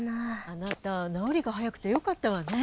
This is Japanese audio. あなたなおりがはやくてよかったわね。